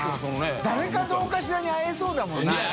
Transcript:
誰かどうかしらに会えそうだもんな。ねぇ！